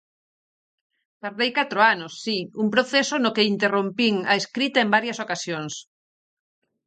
Tardei catro anos, si, un proceso no que interrompín a escrita en varias ocasións.